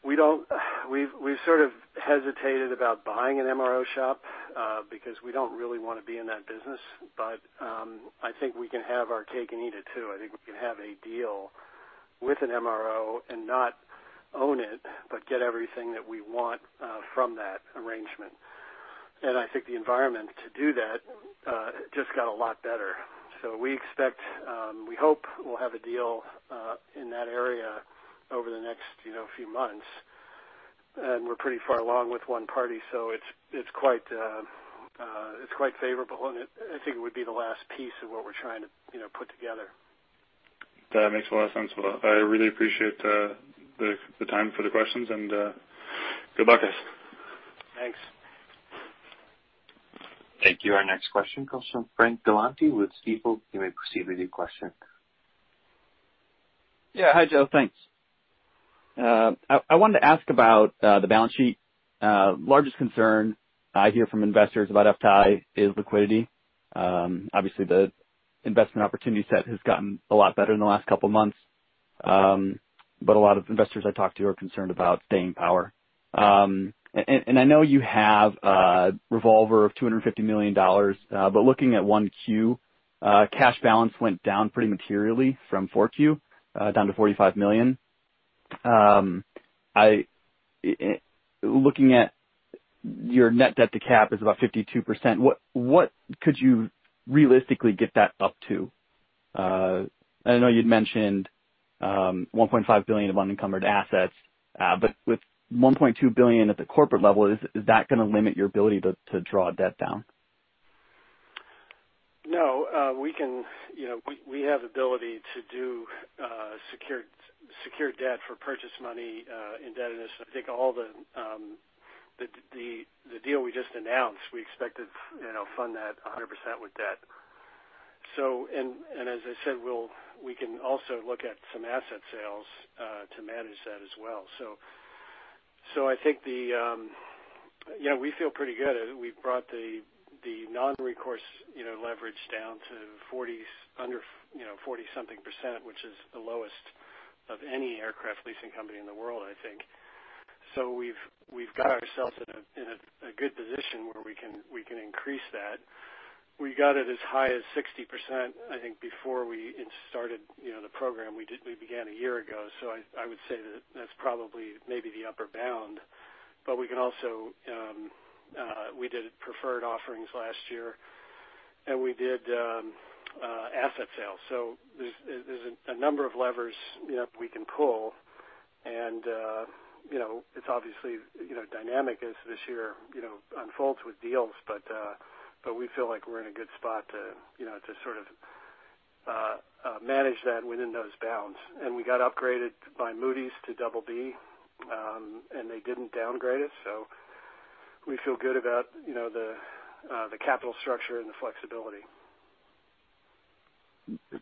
Speaker 3: We've sort of hesitated about buying an MRO shop because we don't really want to be in that business, but I think we can have our cake and eat it too. I think we can have a deal with an MRO and not own it, but get everything that we want from that arrangement. I think the environment to do that just got a lot better. We hope we'll have a deal in that area over the next few months. We're pretty far along with one party, so it's quite favorable, and I think it would be the last piece of what we're trying to put together.
Speaker 8: That makes a lot of sense. Well, I really appreciate the time for the questions, and good luck, guys.
Speaker 3: Thanks.
Speaker 1: Thank you. Our next question comes from Frank Galanti with Stifel. You may proceed with your question.
Speaker 9: Yeah. Hi, Joe. Thanks. I wanted to ask about the balance sheet. Largest concern I hear from investors about FTAI is liquidity. Obviously, the investment opportunity set has gotten a lot better in the last couple of months, but a lot of investors I talked to are concerned about staying power. And I know you have a revolver of $250 million, but looking at 1Q, cash balance went down pretty materially from 4Q down to $45 million. Looking at your net debt to cap is about 52%. What could you realistically get that up to? I know you'd mentioned $1.5 billion of unencumbered assets, but with $1.2 billion at the corporate level, is that going to limit your ability to draw debt down?
Speaker 3: No. We have ability to do secured debt for purchase money indebtedness. I think all the deal we just announced, we expected to fund that 100% with debt. And as I said, we can also look at some asset sales to manage that as well. So I think we feel pretty good. We've brought the non-recourse leverage down to 40-something%, which is the lowest of any aircraft leasing company in the world, I think. So we've got ourselves in a good position where we can increase that. We got it as high as 60%, I think, before we started the program. We began a year ago. So I would say that that's probably maybe the upper bound, but we can also. We did preferred offerings last year, and we did asset sales. So there's a number of levers we can pull, and it's obviously dynamic as this year unfolds with deals, but we feel like we're in a good spot to sort of manage that within those bounds. And we got upgraded by Moody's to Double B, and they didn't downgrade us. So we feel good about the capital structure and the flexibility.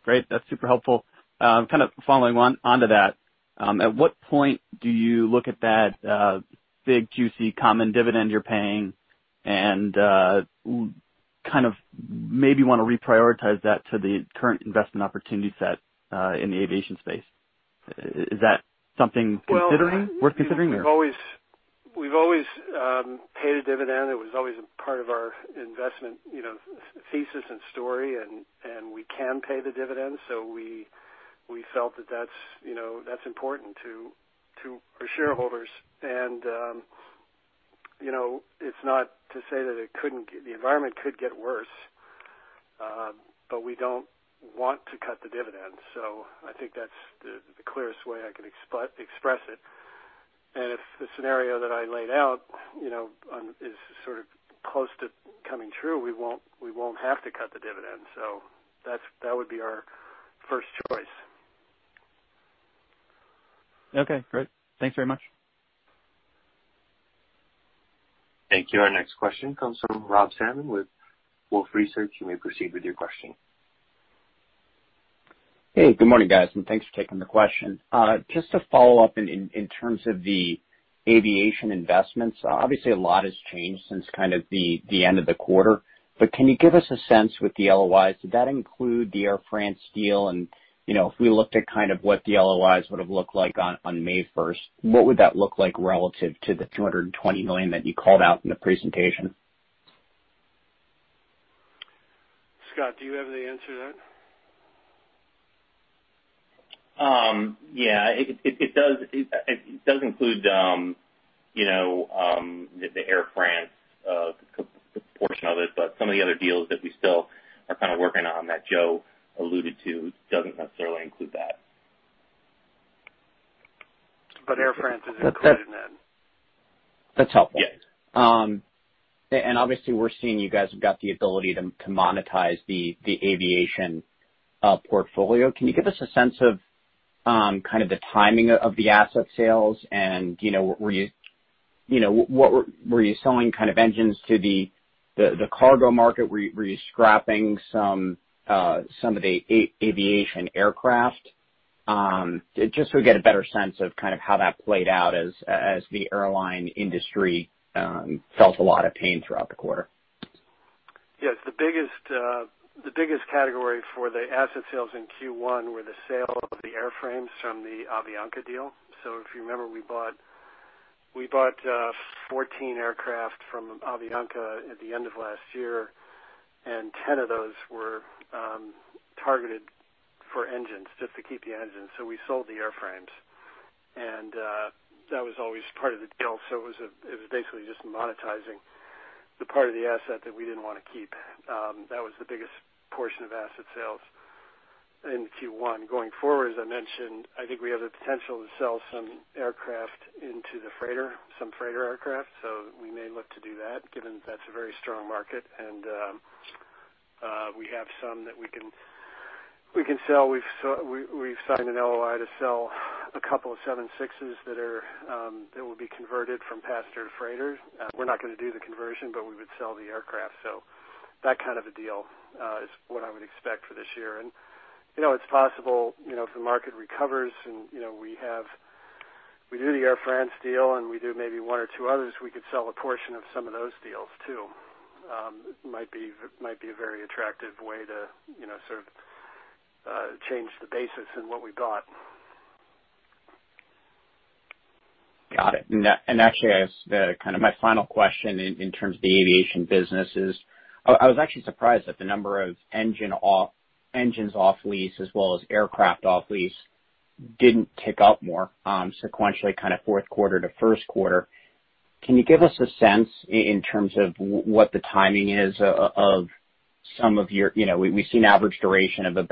Speaker 9: Great. That's super helpful. Kind of following on to that, at what point do you look at that big, juicy common dividend you're paying and kind of maybe want to reprioritize that to the current investment opportunity set in the aviation space? Is that something worth considering?
Speaker 3: Well, we've always paid a dividend. It was always a part of our investment thesis and story, and we can pay the dividend. So we felt that that's important to our shareholders. And it's not to say that it couldn't the environment could get worse, but we don't want to cut the dividend. So I think that's the clearest way I can express it. And if the scenario that I laid out is sort of close to coming true, we won't have to cut the dividend. So that would be our first choice.
Speaker 9: Okay. Great. Thanks very much.
Speaker 1: Thank you. Our next question comes from Rob Salmon with Wolfe Research. You may proceed with your question.
Speaker 10: Hey. Good morning, guys, and thanks for taking the question. Just to follow up in terms of the aviation investments, obviously a lot has changed since kind of the end of the quarter, but can you give us a sense with the LOIs? Did that include the Air France deal? And if we looked at kind of what the LOIs would have looked like on May 1st, what would that look like relative to the $220 million that you called out in the presentation?
Speaker 3: Scott, do you have the answer to that?
Speaker 11: Yeah. It does include the Air France portion of it, but some of the other deals that we still are kind of working on that Joe alluded to doesn't necessarily include that.
Speaker 3: But Air France is included in that.
Speaker 10: That's helpful. And obviously, we're seeing you guys have got the ability to monetize the aviation portfolio. Can you give us a sense of kind of the timing of the asset sales and were you selling kind of engines to the cargo market? Were you scrapping some of the aviation aircraft? Just so we get a better sense of kind of how that played out as the airline industry felt a lot of pain throughout the quarter.
Speaker 3: Yes. The biggest category for the asset sales in Q1 were the sale of the airframes from the Avianca deal. So if you remember, we bought 14 aircraft from Avianca at the end of last year, and 10 of those were targeted for engines just to keep the engines. So we sold the airframes, and that was always part of the deal. So it was basically just monetizing the part of the asset that we didn't want to keep. That was the biggest portion of asset sales in Q1. Going forward, as I mentioned, I think we have the potential to sell some aircraft into the freighter, some freighter aircraft, so we may look to do that given that that's a very strong market, and we have some that we can sell. We've signed an LOI to sell a couple of 767s that will be converted from passenger to freighter. We're not going to do the conversion, but we would sell the aircraft. So that kind of a deal is what I would expect for this year, and it's possible if the market recovers and we do the Air France deal and we do maybe one or two others, we could sell a portion of some of those deals too. It might be a very attractive way to sort of change the basis in what we bought.
Speaker 10: Got it. Actually, kind of my final question in terms of the aviation business is I was actually surprised that the number of engines off-lease as well as aircraft off-lease didn't tick up more sequentially kind of fourth quarter to first quarter. Can you give us a sense in terms of what the timing is of some of your we've seen average duration of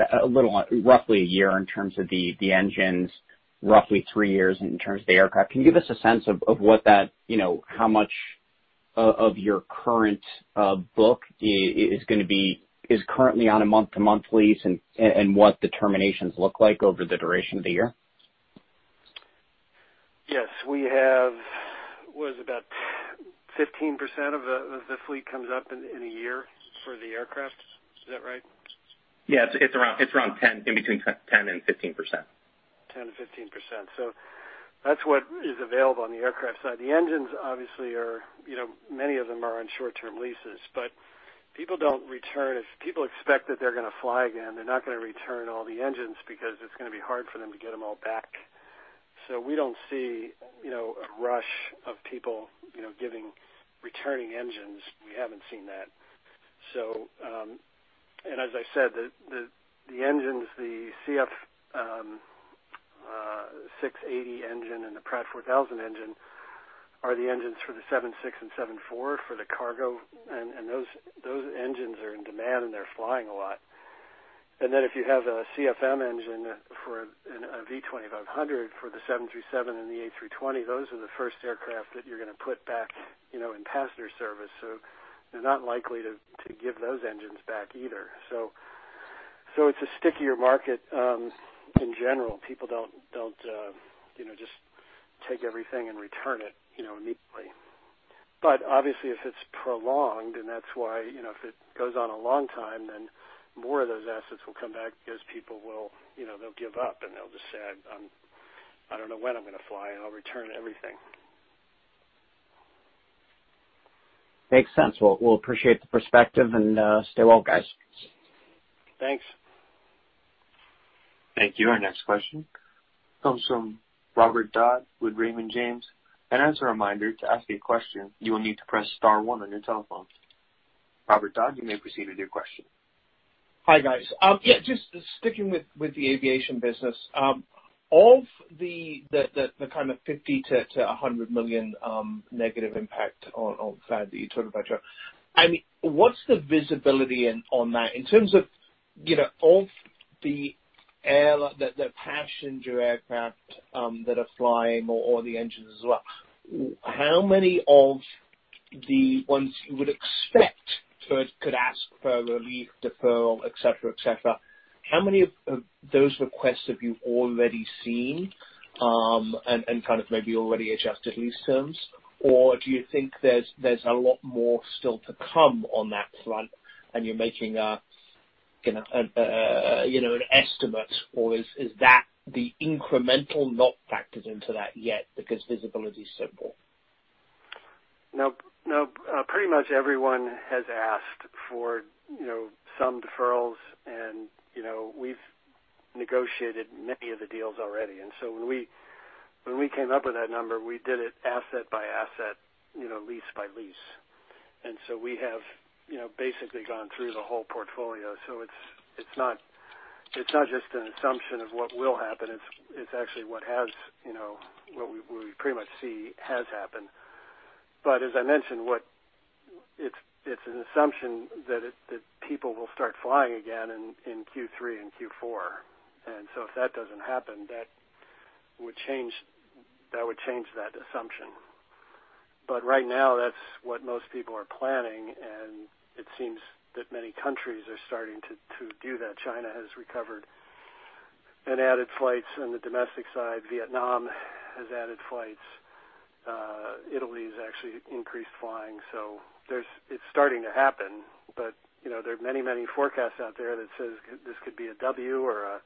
Speaker 10: roughly a year in terms of the engines, roughly three years in terms of the aircraft. Can you give us a sense of what that how much of your current book is going to be is currently on a month-to-month lease and what the terminations look like over the duration of the year?
Speaker 3: Yes. What is it? About 15% of the fleet comes up in a year for the aircraft. Is that right?
Speaker 11: Yeah. It's around 10, in between 10%-15%.
Speaker 3: 10%-15%. So that's what is available on the aircraft side. The engines, obviously, many of them are on short-term leases, but people don't return. If people expect that they're going to fly again, they're not going to return all the engines because it's going to be hard for them to get them all back. So we don't see a rush of people returning engines. We haven't seen that. And as I said, the engines, the CF6-80 engine and the Pratt 4000 engine are the engines for the 767 and 747 for the cargo, and those engines are in demand, and they're flying a lot. And then if you have a CFM engine for a V2500 for the 737 and the A320, those are the first aircraft that you're going to put back in passenger service. So they're not likely to give those engines back either. So it's a stickier market in general. People don't just take everything and return it immediately. But obviously, if it's prolonged, and that's why if it goes on a long time, then more of those assets will come back because people will give up, and they'll just say, "I don't know when I'm going to fly, and I'll return everything."
Speaker 10: Makes sense. Well, we'll appreciate the perspective and stay well, guys.
Speaker 3: Thanks.
Speaker 1: Thank you. Our next question comes from Robert Dodd with Raymond James. And as a reminder, to ask a question, you will need to press star one on your telephone. Robert Dodd, you may proceed with your question.
Speaker 12: Hi, guys. Yeah. Just sticking with the aviation business, all the kind of $50 million-$100 million negative impact on FAD that you talked about, Joe, I mean, what's the visibility on that in terms of all the passenger aircraft that are flying or the engines as well? How many of the ones you would expect could ask for a relief deferral, etc., etc.? How many of those requests have you already seen and kind of maybe already adjusted lease terms, or do you think there's a lot more still to come on that front, and you're making an estimate, or is that the incremental not factored into that yet because visibility is simple?
Speaker 3: No. Pretty much everyone has asked for some deferrals, and we've negotiated many of the deals already, and so when we came up with that number, we did it asset by asset, lease by lease. And so we have basically gone through the whole portfolio. So it's not just an assumption of what will happen. It's actually what we pretty much see has happened. But as I mentioned, it's an assumption that people will start flying again in Q3 and Q4. And so if that doesn't happen, that would change that assumption. But right now, that's what most people are planning, and it seems that many countries are starting to do that. China has recovered and added flights on the domestic side. Vietnam has added flights. Italy has actually increased flying. So it's starting to happen, but there are many, many forecasts out there that say this could be a W or a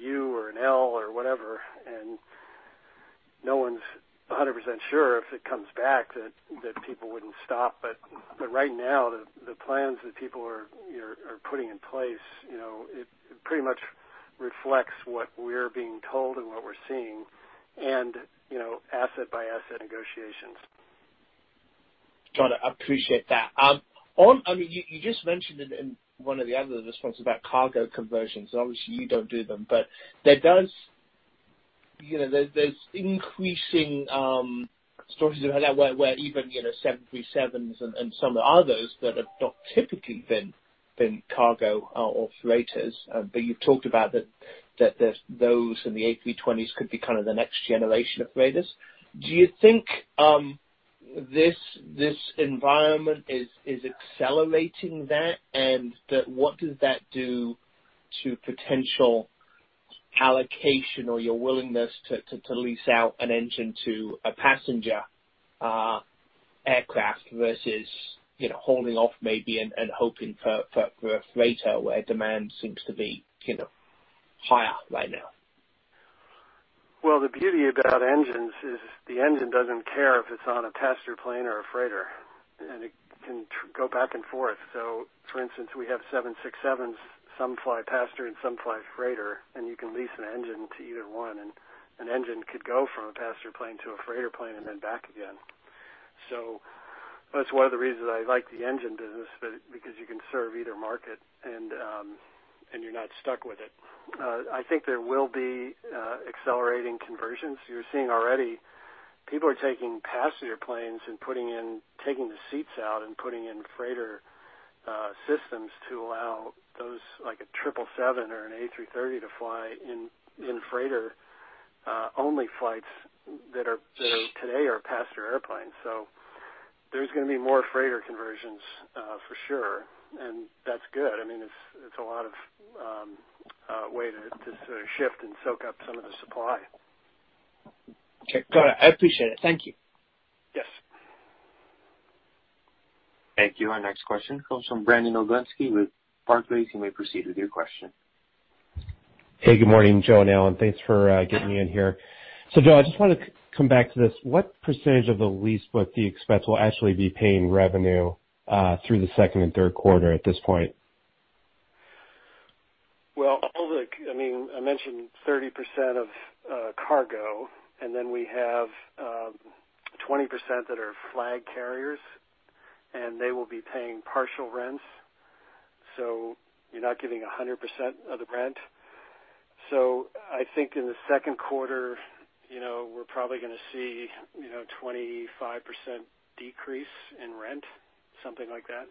Speaker 3: U or an L or whatever. And no one's 100% sure if it comes back that people wouldn't stop. But right now, the plans that people are putting in place, it pretty much reflects what we're being told and what we're seeing and asset-by-asset negotiations.
Speaker 12: Joe, I appreciate that. I mean, you just mentioned in one of the other responses about cargo conversions. Obviously, you don't do them, but there's increasing stories about that where even 737s and some of the others that have not typically been cargo or freighters, but you've talked about that those and the A320s could be kind of the next generation of freighters. Do you think this environment is accelerating that? And what does that do to potential allocation or your willingness to lease out an engine to a passenger aircraft versus holding off maybe and hoping for a freighter where demand seems to be higher right now?
Speaker 3: The beauty about engines is the engine doesn't care if it's on a passenger plane or a freighter, and it can go back and forth. So for instance, we have 767s. Some fly passenger and some fly freighter, and you can lease an engine to either one, and an engine could go from a passenger plane to a freighter plane and then back again. So that's one of the reasons I like the engine business because you can serve either market, and you're not stuck with it. I think there will be accelerating conversions. You're seeing already people are taking passenger planes and taking the seats out and putting in freighter systems to allow a 777 or an A330 to fly in freighter-only flights that today are passenger airplanes. So there's going to be more freighter conversions for sure, and that's good. I mean, it's a lot of ways to sort of shift and soak up some of the supply.
Speaker 12: Okay. Got it. I appreciate it. Thank you.
Speaker 3: Yes.
Speaker 1: Thank you. Our next question comes from Brandon Oglenski with Barclays. You may proceed with your question.
Speaker 13: Hey. Good morning, Joe and Alan. Thanks for getting me in here. So Joe, I just want to come back to this. What percentage of the lease book do you expect will actually be paying revenue through the second and third quarter at this point?
Speaker 3: Well, I mean, I mentioned 30% of cargo, and then we have 20% that are flag carriers, and they will be paying partial rents. So you're not getting 100% of the rent. So I think in the second quarter, we're probably going to see a 25% decrease in rent, something like that.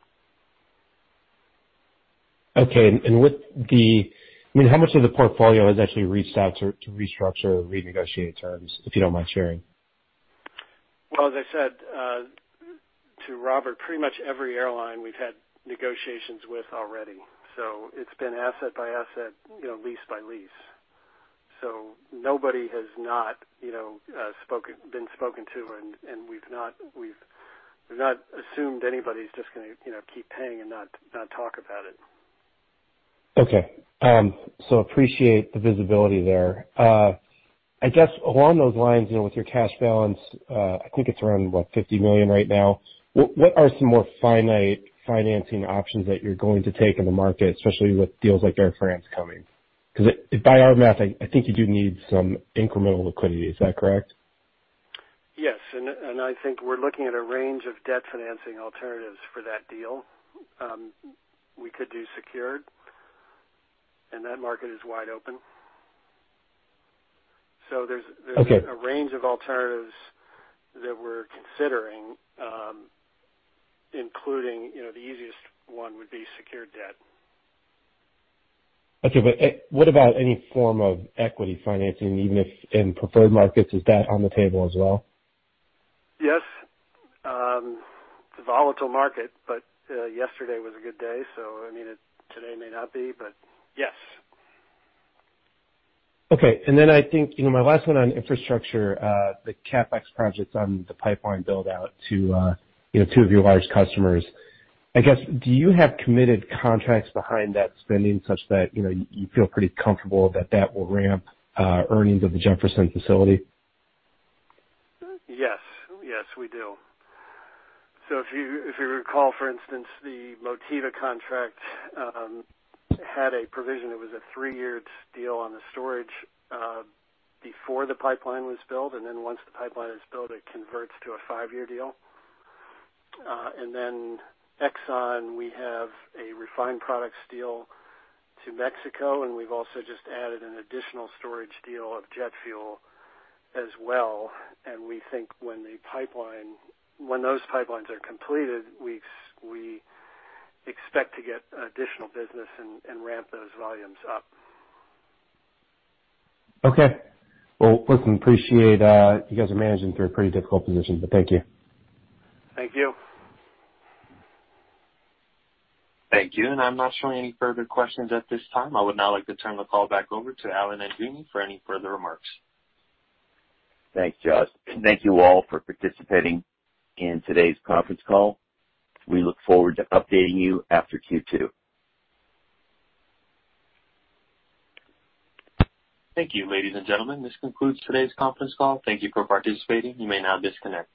Speaker 13: Okay. I mean, how much of the portfolio has actually reached out to restructure or renegotiate terms, if you don't mind sharing?
Speaker 3: Well, as I said to Robert, pretty much every airline we've had negotiations with already. So it's been asset by asset, lease by lease. So nobody has been spoken to, and we've not assumed anybody's just going to keep paying and not talk about it.
Speaker 13: Okay. So appreciate the visibility there. I guess along those lines with your cash balance, I think it's around, what, $50 million right now. What are some more finite financing options that you're going to take in the market, especially with deals like Air France coming? Because by our math, I think you do need some incremental liquidity. Is that correct?
Speaker 3: Yes. And I think we're looking at a range of debt financing alternatives for that deal. We could do secured, and that market is wide open. So there's a range of alternatives that we're considering, including the easiest one would be secured debt.
Speaker 13: Okay. But what about any form of equity financing, even if in preferred markets? Is that on the table as well?
Speaker 3: Yes. It's a volatile market, but yesterday was a good day. So I mean, today may not be, but yes.
Speaker 13: Okay. And then I think my last one on infrastructure, the CapEx projects on the pipeline build-out to two of your large customers. I guess, do you have committed contracts behind that spending such that you feel pretty comfortable that that will ramp earnings of the Jefferson facility?
Speaker 3: Yes, we do. So if you recall, for instance, the Motiva contract had a provision that was a three-year deal on the storage before the pipeline was built, and then once the pipeline is built, it converts to a five-year deal. And then Exxon, we have a refined products deal to Mexico, and we've also just added an additional storage deal of jet fuel as well. And we think when those pipelines are completed, we expect to get additional business and ramp those volumes up.
Speaker 13: Okay. Well, listen, appreciate you guys are managing through a pretty difficult position, but thank you.
Speaker 3: Thank you.
Speaker 1: Thank you. And I'm not showing any further questions at this time. I would now like to turn the call back over to Alan and Joe for any further remarks.
Speaker 2: Thanks, Joe. Thank you all for participating in today's conference call. We look forward to updating you after Q2.
Speaker 1: Thank you, ladies and gentlemen. This concludes today's conference call. Thank you for participating. You may now disconnect.